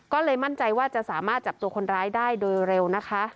ก็เลยมั่นใจว่าจะสามารถจับตัวคนร้ายได้โดยเร็วนะคะ